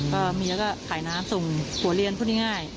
ก็มีแล้วก็ขายน้ำส่งหัวเรียนพูดง่าย